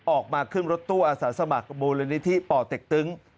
ออกมาขึ้นรถตู้อาสาสมัครมูลนิธิป่อเต็กตึง